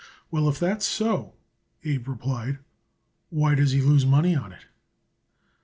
"Well, if that's so," Abe replied, "why does he lose money on it?"